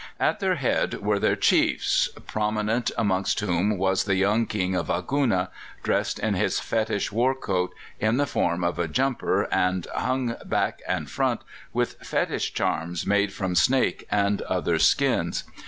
"At their head were their chiefs, prominent amongst whom was the young King of Aguna, dressed in his fetish war coat, in the form of a 'jumper,' and hung back and front with fetish charms made from snake and other skins.